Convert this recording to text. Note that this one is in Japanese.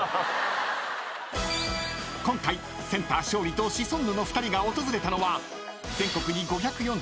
［今回センター勝利とシソンヌの２人が訪れたのは］